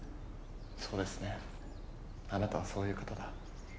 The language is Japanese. そうですねあなたはそういう方だ。